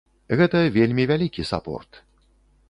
Гэта вельмі вялікі сапорт.